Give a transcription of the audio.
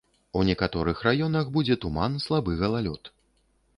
У некаторых раёнах будзе туман, слабы галалёд.